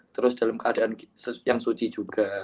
terus dalam keadaan yang suci juga